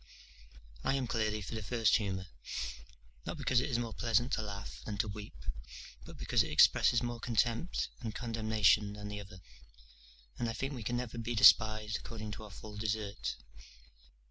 D.W.] I am clearly for the first humour; not because it is more pleasant to laugh than to weep, but because it expresses more contempt and condemnation than the other, and I think we can never be despised according to our full desert.